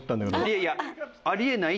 いやいやありえないって。